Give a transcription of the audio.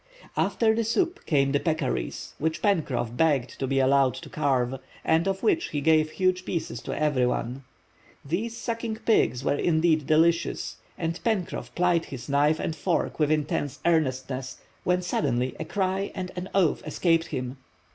After the soup came the peccaries, which Pencroff begged to be allowed to carve, and of which he gave huge pieces to every one. These suckling pigs were indeed delicious, and Pencroff plied his knife and fork with intense earnestness, when suddenly a cry and an oath escaped him.